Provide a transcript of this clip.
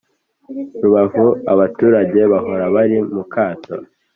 Rubavu abaturage baho bari mukato